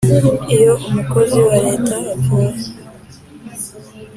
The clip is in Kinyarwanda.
iyo umukozi wa leta apfuye